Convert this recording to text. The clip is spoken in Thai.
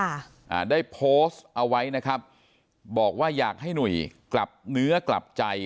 อ่าได้โพสต์เอาไว้นะครับบอกว่าอยากให้หนุ่ยกลับเนื้อกลับใจ